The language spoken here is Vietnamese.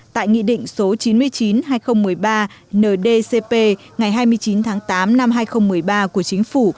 tại nghị định số chín mươi chín hai nghìn một mươi ba ndcp ngày hai mươi chín tháng tám năm hai nghìn một mươi ba của chính phủ